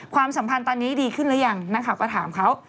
ความสัมพันธ์ตอนนี้ดีขึ้นหรือยังนักข่าวก็ถามเขา